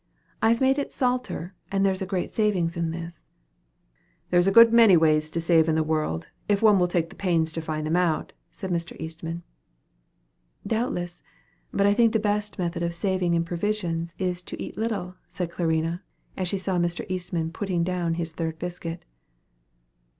I've made it salter, and there's a great saving in this." "There's a good many ways to save in the world, if one will take pains to find them out," said Mr. Eastman. "Doubtless; but I think the best method of saving in provisions is to eat little," said Clarina, as she saw Mr. Eastman putting down his third biscuit.